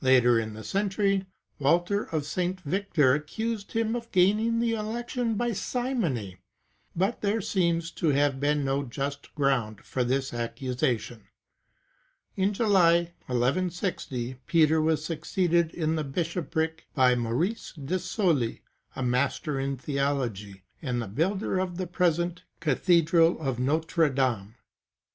Later in the century, Walter of St. Victor accused him of gaining the election by simony,^ but there seems to have been no just ground for this accusation.^ In July, 1 1 60, Peter was succeeded in the bishopric by Maurice de Sully, a Master in Theology, and the builder of the present Cathedral of Notre Dame.